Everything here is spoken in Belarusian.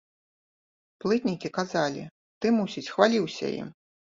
Плытнікі казалі, ты, мусіць, хваліўся ім.